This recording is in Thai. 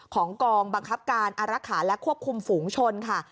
กองบังคับการอารักษาและควบคุมฝูงชนค่ะ